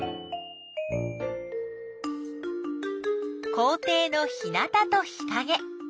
校ていの日なたと日かげ。